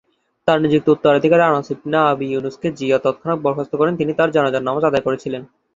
তার নিযুক্ত উত্তরাধিকারী আনাস ইবনে আবি ইউনুস কে জিয়াদ তৎক্ষণাৎ বরখাস্ত করেন, তিনি তার জানাজার নামাজ আদায় করেছিলেন।